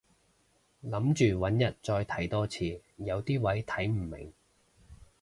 諗住搵日再睇多次，有啲位睇唔明